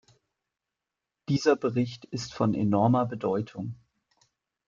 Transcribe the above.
Dieser Bericht ist von enormer Bedeutung.